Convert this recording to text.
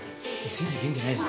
先生元気ないぞ。